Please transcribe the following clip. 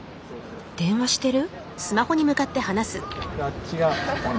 電話してる？